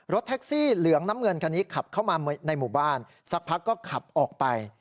แท็กซี่เหลืองน้ำเงินคันนี้ขับเข้ามาในหมู่บ้านสักพักก็ขับออกไป